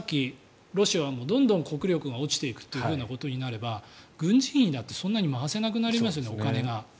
ロシアはどんどん国力が落ちていくということになれば軍事費にだってそんなに回せなくなりますよね、お金が。